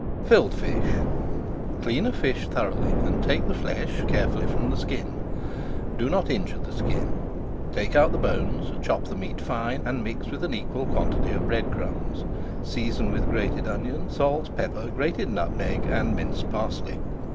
FILLED FISH Clean a fish thoroughly and take the flesh [Page 467] carefully from the skin. Do not injure the skin. Take out the bones, chop the meat fine, and mix with an equal quantity of bread crumbs. Season with grated onion, salt, pepper, grated nutmeg, and minced parsley.